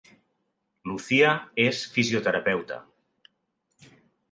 Lucía és fisioterapeuta